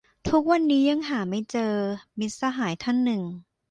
"ทุกวันนี้ยังหาไม่เจอ" มิตรสหายท่านหนึ่ง